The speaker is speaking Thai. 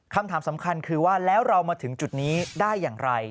คำถามสำคัญคือว่าแล้วเรามาถึงจุดนี้ได้อย่างไร